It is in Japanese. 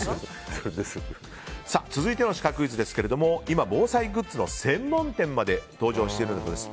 続いてのシカクイズですが今、防災グッズの専門店まで登場しているんです。